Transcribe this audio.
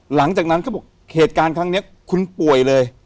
หลังจากนั้นเขาบอกเหตุการณ์เท่านี้คุณป่วยเลย